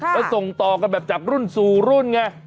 แล้วส่งต่อกันแบบจากรุ่นสู่รุ่นไง